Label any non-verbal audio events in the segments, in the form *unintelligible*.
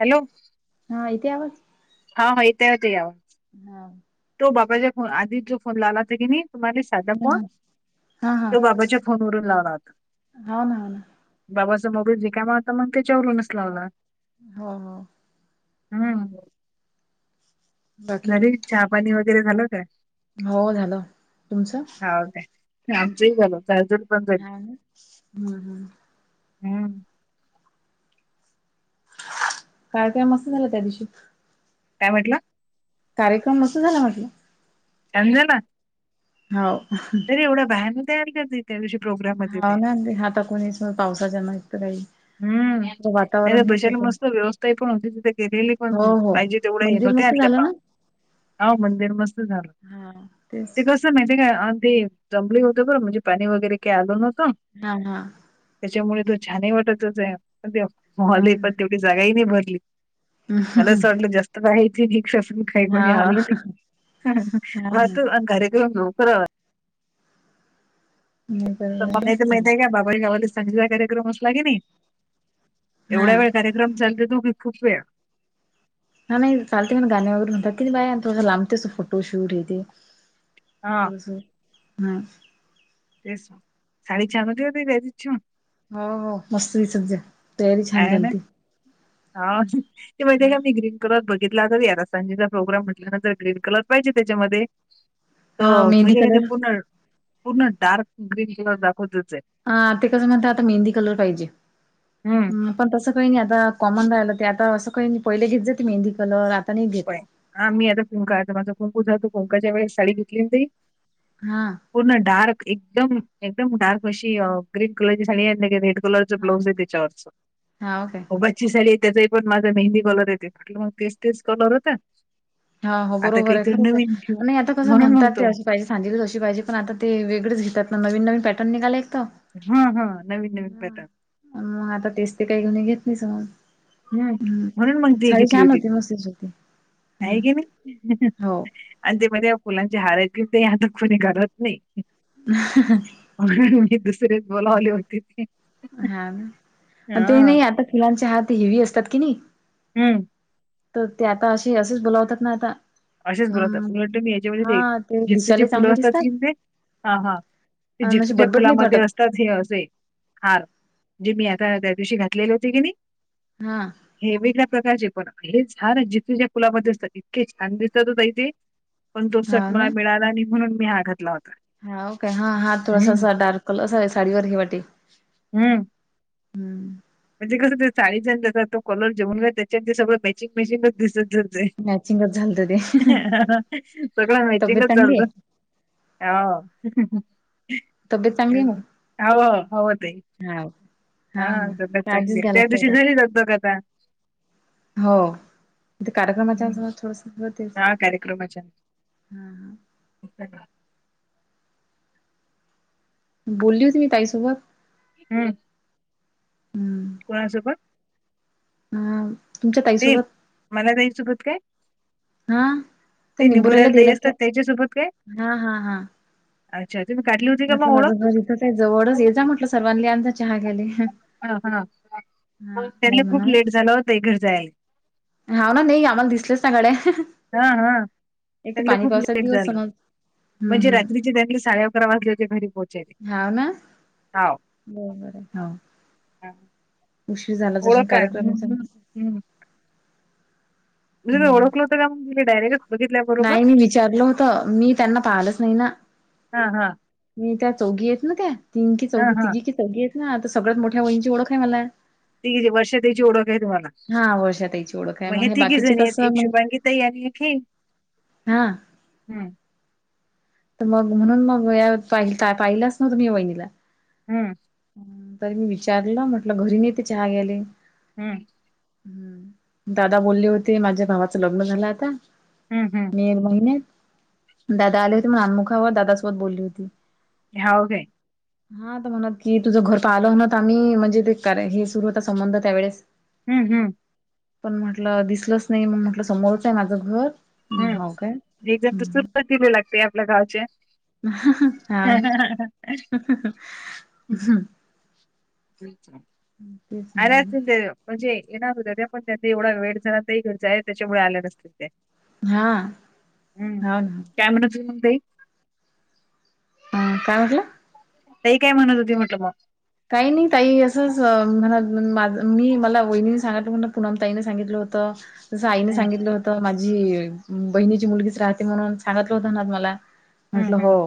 Hello. हा येते आवाज? हा हा येतेय ते आवाज. हा. तो बाबाच्यान आधी जो फोन लाला हो की तुम्हाला. साधा कॉल, हा हा तो बाबाच्या फोनवरून लावला होता. हाव ना हाव ना. बाबाचा मोबाईल रिकामा होता म्हणून त्याच्यावरूनच लावला. हो हो. हम्म. बाकी आणि चहा पाणी वगैरे झालं काय? हो झालं. तुमचं? ते आमचंही झालं झाडझूड. हा न, हम्म हम्म. हम्म. कार्यक्रम मस्त झाला त्या दिवशी. काय म्हंटला? कार्यक्रम मस्त झाला म्हटलं. *unintelligible* हाव. तरी एवढ्या बाहेरनं तयार करते. त्या दिवशी प्रोग हा ना आता कोणीच *unintelligible* पावसाच्या *unintelligible* काही हम्म‌‌. नाही तर वातावरण हेच बैशाला होतं मस्त व्यवस्थाही पण होती तिथं केलेली. हो पण हो पाहिजे तेवढं हे येतं मंदिर होत्या मस्त झालं ना? *unintelligible* हो मंदिर मस्त झालं. हा तेच ते कसं *unintelligible* म्हणजे काय *unintelligible* जमले होते बरं म्हणजे पाणी वगैरे काय आलं न्हवतं. हा हा. त्याच्यामुळे तो छानही वाटतच आहे, पण ते मॉल हा आहे ना. पण तेवढी जागाही नाही भरली. मला असं वाटलं जास्त आहे *unintelligible* काही हा पण हे हा आणलं नाही हा ना मग कार्यक्रम लोकर आवर *unintelligible* नाही *unintelligible* बरोबर मस्त झालं. संगीताचा कार्यक्रम असला की नाही हा एवढा वेळ कार्य *unintelligible* दोघी खूप वेळ. हा नाही चालते ना गाण्या *unintelligible* बाया तुझं लांबतेच फोटो शूट हे ते. हा तसं हा. तेच साडी छान होती ओ *unintelligible* हो, हो, मस्त दिसत जा. तयारी छान आहे ना? झालती हो ना. ते म्हणजे का मी ग्रीन कलर बघितला. तर यारा संजेचा प्रोग्राम म्हटल्यानंतर ग्रीन कलर पाहिजे, त्याच्यामध्ये *inaudible* तर मी मेहंदी ते ते कलर पूर्ण पूर्ण डार्क ग्रीन कलर दाखवताच आहे. ह ते कसं म्हणते, आता मेंदी कलर पाहिजे. हम्म. पण तसं काही नाही आता कॉमन राहिल ते आता असं काही नाही. पहिले घेत जाते मेंदी कलर आता नाहीेत घेत. आहे. हा मी आता कुंका आता माझा कुंकुचा तो कुंकावाच्या वेळेस साडी घेतली होती. हा. पूर्ण डार्क एकदम एकदम डार्क अशी ग्रीन कलर साडी आणली आहे रेड. कलरच ब्लाऊज आहे हा त्याच्यावरच ओके अगं बाई. ची साडी त्याचाही पण, माझा मेहंदी कलर येते म्हटलं मग तेच तेच कलर होतंय. हा, हो बरोबर आहे खरंच आहे. नाही आता कसं म्हणून म्हणतात ते म्हणतो असं पाजे सांजेलीच अशी पाहिजे पण आता तेेगळेच घेतात ना नवीन नवीन पॅटर्न निघाले एकतर. हा, हा, नवीन नवीन पॅटर्न. पण मग, आता तेच ते काही घेणी घेत नाहीस मग हम्म म्हणून मग ती एक घेतली होती. मस्तच होती नाही ग बाई. हो आणि ते माहीत का, ते आता फुलांचे हार आहे ते आता कोणी घालत नाही. *unintelligible* *unintelligible* होते ते हा ना. आणि ते हा नाही आता फिळांचे हार ते हेवी असतात कि नाही हम्म. तर ते आता असे असेच बोलावतात ना आता. असेच बोलतात. अं वाटत मी याच्यामध्ये हा ते जिपसेचे दिसायला चांगले फुलं असतात की दिसतात ते हा हा ते आणि अशी जिप्सीच्या बटबट नाहीत फुलामध्ये वाटत अस आ हे असे हार जे जे मी आता त्या दिवशी घातलेले होते की नाही? हा, हे वेगळ्या प्रकारचे पण हे झाड जिथे ज्या फुलामध्ये असतात इतके छान दिस *unintelligible* होता इथे पण तो सट हा मला मिळाला नाही म्हणून मी हा घातला होता. हाव काय हा हात थोडासा हं, असा डार्क कलर साडीवर हे वाटेल हम्म. हम्म. म्हणजे कसं ते साडी जे *unintelligible* तो कलर जेवूनला त्याच्या ते सगळं मॅचिंग मॅचिंग दिसतं मॅचिंगच झालत ते *unintelligible* सगळं तब्येत मॅचिंगच चांगली आहे चालतं. हो. तब्येत चांगली आहे मग हाव हवं ते. हा हा ना काळजीच घ्याय त्या लागते आता दिवशी झाली दगदग आता हो. इथे कार्यक्रमाच्या हम्म. वेळे *unintelligible* थोडस होतेच. हा कार्यक्रमच्या हा हा बोलली होती मी ताई सोबत. हम्म. कोणासोबत? ह तुमच्या ते ताईसोबत मला ताईसोबत काय? हा त्या ते निबुऱ्याला निबुरायला ताई दिला त्या असतात त्याच्यासोबत काय हा हा हा अच्छा तुम्ही काढली होती. का म्हटलं मग माझं ओळख घर इथंच आहे जवळच ये जा म्हटलं सर्वांनी आमचा चहा घ्याले. हा हा. त्यांना खूप लेट झाला होता ताई घरी जाया. हाव ना नाही आम्हाला, दिसलेच ना गड्या. हा हा. त्यानला खूप लेट दिवस झालं. समज हम्म म्हणजे हम्म रात्रीचे त्यानला, साडे अकरा वाजले होते घरी पोहचायले. हाव ना बरोबर आहे हो. हा. उशीर झाला ओळख असे काय हम्म कार्यक्रमाचा. हम्म हम्म. मी तुला ओळखलं होत तर का डायरेक्टच बघितल्या बरोबर नाही मी विचारलं होत, मी त्यांना पाहिलंच नाही ना. हा हा. मी त्या चौघी आहेते ना त्या, तिघी की हा चौकी हा तिघी. चौघी आहेत ना, तर सगळ्यात मोठ्या वाहिनीची ओळख आहे मला. ती वर्षाताईची ओळख आहे तुम्हाला, हा वर्षा ताईची ओळख आहे मग हे तीघी बाकीचे जणी आहेत कसं एक शुभांगी. तयारी एक हे, हां. हम्म मग म्हणून मग यावेळेस, पाहिलाच नवत तुम्ही वहिणीला. हम्म. तर मी विचारलं म्हटलं, घरी नेते चहा गेले. हम्म. हम्. दादा बोलले होते, माझ्या भावाचं लग्न झालं आता. हम् हम्. मे महिन्यात दादा आले होते, मग अनुखावर दादासोबत बोलली होती. हाव काय. हम्म. हा आता म्हणत की तुझं घर पाहिलं हो ना, आम्ही म्हणजे ते हे सुरू होता संबंध त्यावेेळेस, हम्म हम्म. पण म्हटलं दिसलंच नाही, मग म्हटलं समोरच आहे माझं घर. हो काय. *unintelligible* हा ना. तेच अराचं *unintelligible* म्हणजे येणार होत्या त्या पण त्यांनी एवढा वेळ झाला, तर घर जाय आहे त्याच्यामुळे आले नसतील ते. हा हा ना. त्या म्हणतं होती, मगं ताई. काय म्हटला. ताई काय म्हणत होती म्हटल मग. काही नाही ताई असंच म्हणा, माझ मी मला वहिणीने सांगलं म्हण पुनम ताईने सांगितलं होतं. जसं आईने हम्म सांगितलं होतं माझी, बहिणीची मुलगीच राहते म्हणून सांगितलं होत ना मला. म्हटलं हो, हम्म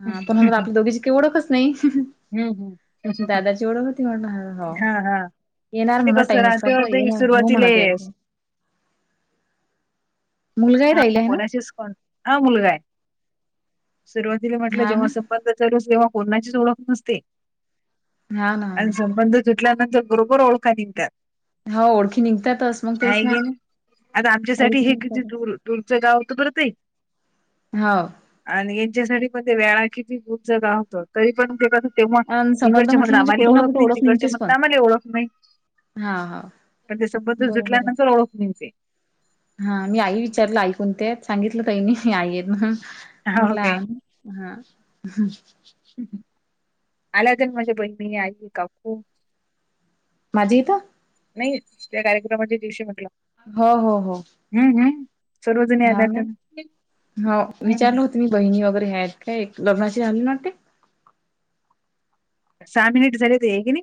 हा पण म्हंटल हम्म आपली दोघीची काय ओळखच नाही. हम्म हम्म दादाची ओळख होती म्हटलं हो. हा हा. येणार ते म्हणा कसं टाइम असला तर राहते, येणार हो म्हणत सुरुवातीलेस. यायचं मुलगा ही हा राहिला आहे ना कोणाशीच कोण हा, मुलगा आहे सुरुवातीला म्हटलं हा ना. जेव्हा. संबंध नसतात कोणाचीच ओळख नसते, हा ना हा आणि ना, संबंध. सुटल्यानंतर बरोबर ओळखा निघतात. हो ओळखी निघतातच मग तेच आहे गे ना, आता ओळखी आमच्यासाठी हे किती निघतातच दूर. तुमचं गाव होतं, बर ते. हो. आणि यांच्यासाठी पण वेळा किती खूप गाव होत तरी पण ते, तेव्हा अ मग संबंध इकडचे मग म्हटलं म्हणजे आम्हाला कुठे ना ओळख कुठे नाही, तिकडचे निघतेच मग पण आम्हाला ओळख नाही. हा हा पण ते संबंध बरोबर सुटल्यानंतर ओळख *unintelligible* हा मी आई विचारलं आई कोणते आहेत, सांगितलं ताईनी आई आहेत म्हणून. हो म्हंटल काय आणं हा. आल्या का माझे *unintelligible* बहिणी, आई, काकू. माझे आहे का? नाही त्या कार्यक्रमाच्या दिवशी म्हटलं हो हो हो. हम्म हम्म. सर्वजणी आल्या हाव तर, हम्म. तुम्ही बहिणी वगैरे आहेत काय? एक लग्नाशी *unintelligible* वाटते. सहा मिनिट झाले होते आहे की नाही.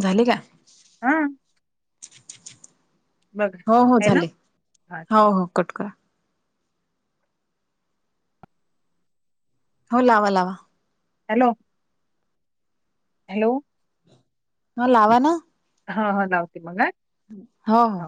झाली का? हा बघा हो हो आहे ना? झाले. हां हो ठीक आहे. हो कट करा. हो लावा लावा. हॅलो. हॅलो. हा लावा ना. हा हा लावते मग हा. हो हो.